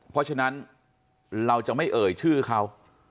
เพราะฉะนั้นเราจะไม่เอ่ยชื่อเขา